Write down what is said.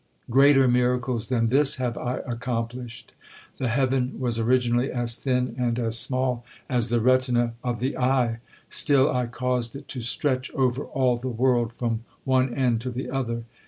Greater miracles than this have I accomplished. The heaven was originally as thin and as small as the retina of the eye, still I caused it to stretch over all the world from one end to the other.